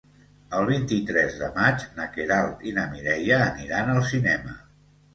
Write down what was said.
El vint-i-tres de maig na Queralt i na Mireia aniran al cinema.